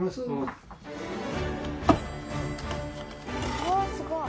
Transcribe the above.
うわすごい。